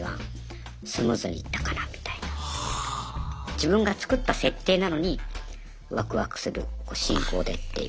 自分が作った設定なのにワクワクする進行でっていう。